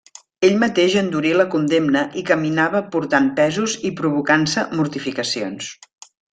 Ell mateix endurí la condemna i caminava portant pesos i provocant-se mortificacions.